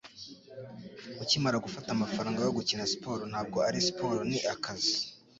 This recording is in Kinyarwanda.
Ukimara gufata amafaranga yo gukina siporo, ntabwo ari siporo, ni akazi.